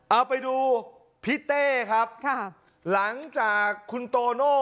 เอาไปดูพี่เต้ครับค่ะหลังจากคุณโตโน่